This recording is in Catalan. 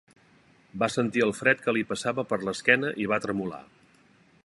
Va sentir el fred que li passava per l'esquena i va tremolar.